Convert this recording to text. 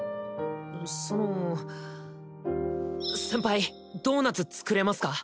その先輩ドーナツ作れますか？